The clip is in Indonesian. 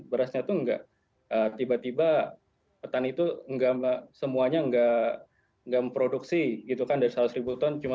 berasnya itu nggak tiba tiba petani itu semuanya nggak memproduksi gitu kan dari seratus ribu ton